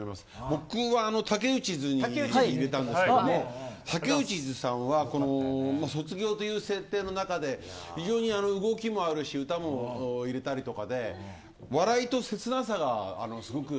僕は竹内ズに入れたんですけど竹内ズさんは卒業という設定の中で非常に動きもあるし歌も入れたりとかで笑いと切なさがすごく。